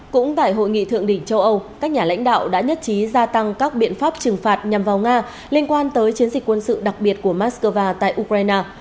cũng tại hội nghị thượng đỉnh châu âu các nhà lãnh đạo đã nhất trí gia tăng các biện pháp trừng phạt nhằm vào nga liên quan tới chiến dịch quân sự đặc biệt của moscow tại ukraine